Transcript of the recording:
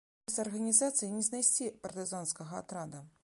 Без арганізацыі не знайсці партызанскага атрада.